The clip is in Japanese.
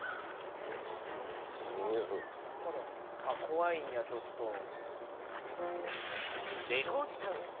あっ怖いんやちょっと。